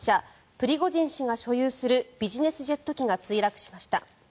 プリゴジン氏が所有するビジネスジェット機が墜落しました。